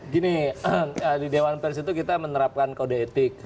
gini di dewan pers itu kita menerapkan kode etik